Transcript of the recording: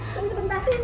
kamu kenapa sayang